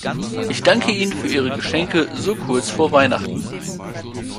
Ich danke Ihnen für Ihre Geschenke so kurz vor Weihnachten.